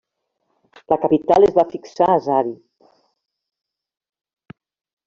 La capital es va fixar a Sari.